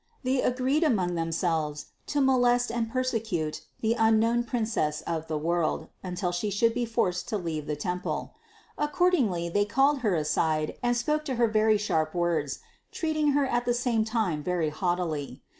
They agreed among themselves to molest and persecute the unknown Princess of the world, until She should be forced to leave the temple. Accordingly they called Her aside and spoke to Her very sharp words, treating Her at the same time very haughtily.